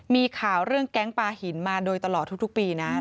มีข่าวเรื่องแก๊งปลาหินมาโดยตลอดทุกปีนะ